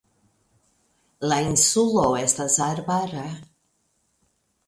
La insulo estas arbara.